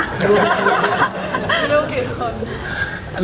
ลูกกี่คน